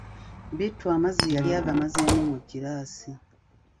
Bittu amazzi yali agamazeemu mu giraasi.